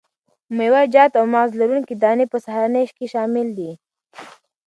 میوه جات او مغذ لرونکي دانې په سهارنۍ کې شامل دي.